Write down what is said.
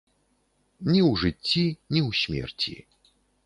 Ні ў жыцці, ні ў смерці.